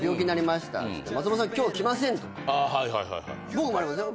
僕もありますよ。